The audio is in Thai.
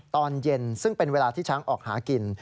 ตอนเย็นซึ่งเป็นเวลาที่ช้างออกหากิน